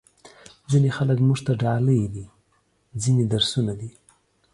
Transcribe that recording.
ځینې خلک موږ ته ډالۍ دي، ځینې درسونه دي.